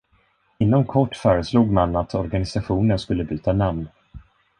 Inom kort föreslog man att organisationen skulle byta namn.